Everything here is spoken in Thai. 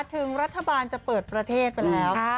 ถึงรัฐบาลจะเปิดประเทศไปแล้ว